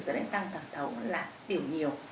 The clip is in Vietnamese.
giờ đến tăng tầm thấu là tiểu nhiều